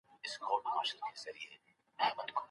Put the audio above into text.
آیا دغه سړی به کله هم بېرته جرمني ته لاړ شي؟